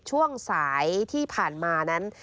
ช่วงสายที่ผ่านมานั้น